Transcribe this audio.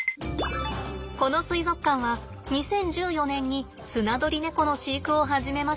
この水族館は２０１４年にスナドリネコの飼育を始めました。